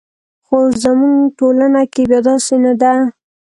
خو زموږ ټولنه کې بیا داسې نه ده.